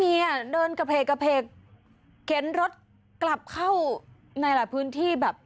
เนี่ยเดินกระเพกกระเพกเข็นรถกลับเข้าในหลายพื้นที่แบบ